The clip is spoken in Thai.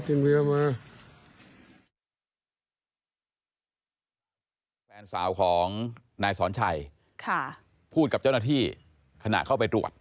แกเป็นคนกลับนั่งมาด้วย